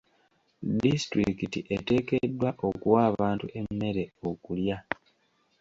Disitulikiti eteekeddwa okuwa abantu emmere okulya.